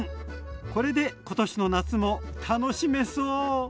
これで今年の夏も楽しめそう。